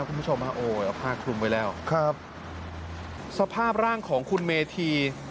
คุณผู้ชมฮะโอ้ยเอาผ้าคลุมไว้แล้วครับสภาพร่างของคุณเมธี